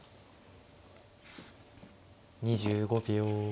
２５秒。